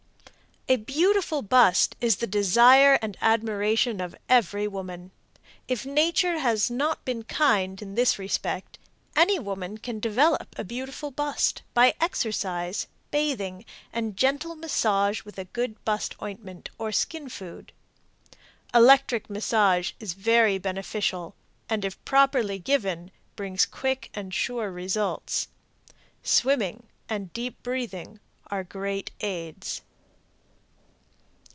A beautiful bust is the desire and admiration of every woman. If nature has not been kind in this respect, any woman can develop a beautiful bust by exercise, bathing and gentle massage with a good bust ointment or skin food. Electric massage is very beneficial, and if properly given, brings quick and sure results. Swimming and deep breathing are great aids.